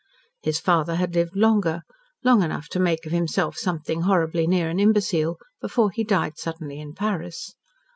His father had lived longer long enough to make of himself something horribly near an imbecile, before he died suddenly in Paris.